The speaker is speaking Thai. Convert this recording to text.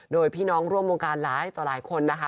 โดยพี่น้องร่วมวงการหลายต่อหลายคนนะคะ